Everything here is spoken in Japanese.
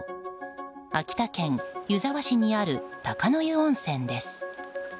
秋田県湯沢市にある鷹の湯温泉です。